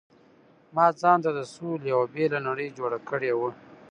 ما ځانته د سولې یو بېله نړۍ جوړه کړې وه.